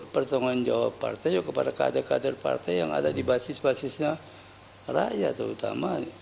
pertanggung jawab partai juga kepada kader kader partai yang ada di basis basisnya rakyat terutama